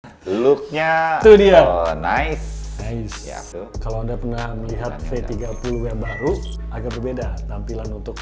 hai looknya itu dia nice kalau anda pernah melihat v tiga puluh baru agar berbeda tampilan untuk